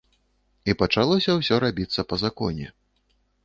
І пачалося ўсё рабіцца па законе.